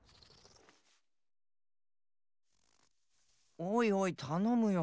おいおい頼むよ。